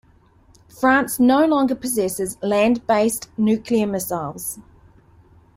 France no longer possesses land-based nuclear missiles.